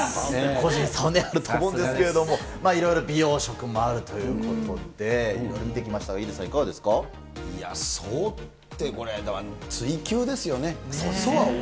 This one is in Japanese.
個人差はあると思うんですけれども、いろいろ美容食もあるということで、いろいろ見てきましたが、いや、蘇ってこれ、追求ですよね。